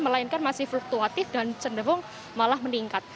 melainkan masih fluktuatif dan cenderung malah meningkat